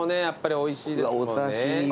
やっぱりおいしいですもんね。